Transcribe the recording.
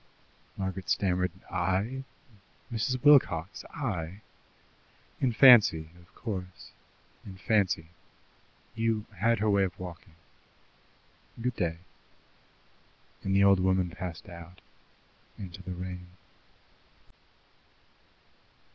Margaret stammered: "I Mrs. Wilcox I?" "In fancy, of course in fancy. You had her way of walking. Good day." And the old woman passed out into the rain.